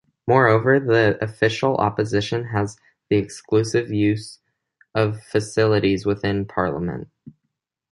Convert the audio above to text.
Moreover, the Official Opposition has the exclusive use of facilities within Parliament.